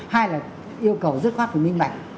hai là yêu cầu rất khoát và minh bạch